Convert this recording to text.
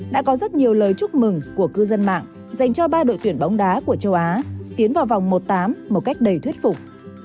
đã có rất nhiều lời chúc mừng của cư dân mạng dành cho ba đội tuyển bóng đá của châu á tiến vào vòng một tám một cách đầy thuyết phục